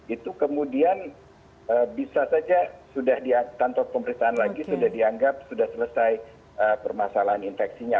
itu kemudian bisa saja sudah ditantuk pemeriksaan lagi sudah dianggap sudah selesai permasalahan infeksinya